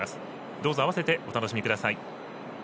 どうぞ、併せてお楽しみください。